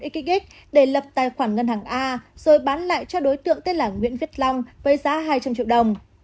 ba trăm bốn mươi một năm mươi sáu nghìn bốn xxx để lập tài khoản ngân hàng a rồi bán lại cho đối tượng tên là nguyễn viết long với giá hai trăm linh triệu đồng